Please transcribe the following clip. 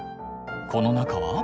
この中は？